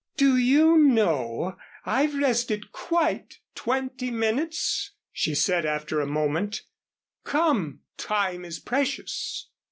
"Do you know, I've rested quite twenty minutes," she said after a moment. "Come, time is precious."